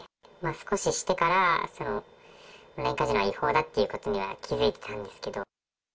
少ししてから、オンラインカジノが違法だということには気付いてたんですけど。